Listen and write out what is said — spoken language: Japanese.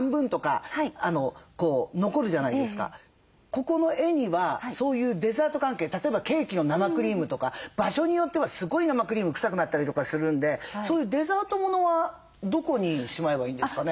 ここの絵にはそういうデザート関係例えばケーキの生クリームとか場所によってはすごい生クリーム臭くなったりとかするんでそういうデザートものはどこにしまえばいいんですかね？